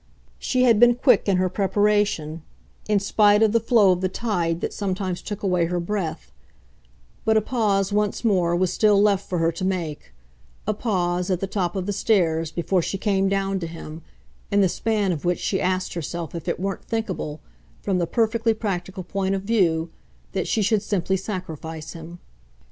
She had been quick in her preparation, in spite of the flow of the tide that sometimes took away her breath; but a pause, once more, was still left for her to make, a pause, at the top of the stairs, before she came down to him, in the span of which she asked herself if it weren't thinkable, from the perfectly practical point of view, that she should simply sacrifice him.